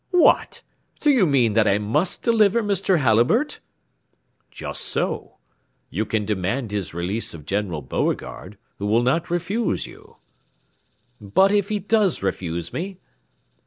"What, do you mean that I must deliver Mr. Halliburtt?" "Just so. You can demand his release of General Beauregard, who will not refuse you." "But if he does refuse me?"